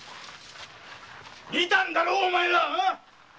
見たんだろお前らは！